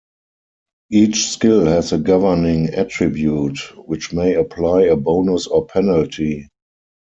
Each skill has a governing attribute, which may apply a bonus or penalty.